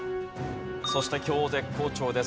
そして今日絶好調です。